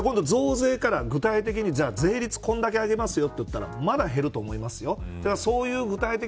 今度、増税から具体的に税率これだけ上げますよと言ったらまだ減ると思いますよ。